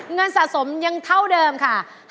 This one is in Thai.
เงินสะสมยังเท่าเดิมค่ะ